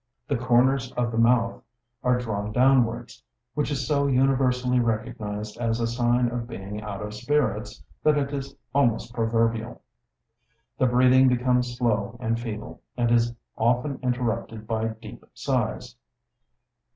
The comers of the mouth are drawn downwards, which is so universally recognized as a sign of being out of spirits, that it is almost proverbial. The breathing becomes slow and feeble, and is often interrupted by deep sighs.